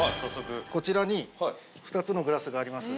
こちらに２つのグラスがあります。